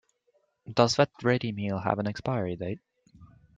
Does that ready meal have an expiry date?